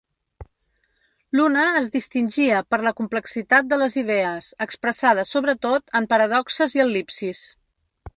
L'una es distingia per la complexitat de les idees, expressada sobretot en paradoxes i el·lipsis.